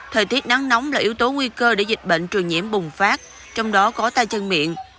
thời tiết nắng nóng là yếu tố nguy cơ để dịch bệnh truyền nhiễm bùng phát trong đó có tay chân miệng